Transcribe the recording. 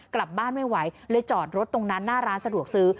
กลับบ้านไม่ไหวเลยจอดรถตรงนั้นหน้าร้านสะดวกซื้อ